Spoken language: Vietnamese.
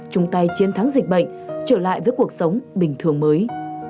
chung tay chiến thắng dịch bệnh trở lại với cuộc sống bình thường mới